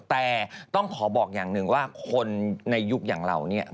แต่ต้องขอบอกอย่างหนึ่งว่าคนในยุคอย่างเราเนี่ย